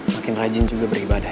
makin rajin juga beribadah